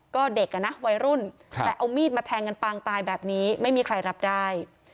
ก็เด็กอ่ะนะวัยรุ่นแต่เอามีดมาแทงกันปางตายแบบนี้ไม่มีใครรับได้